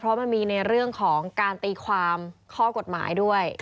เพราะมันมีในเรื่องของการตีความข้อกฎหมายด้วย